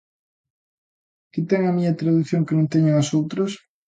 Que ten a miña tradución que non teñan as outras?